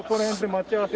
待ち合わせ。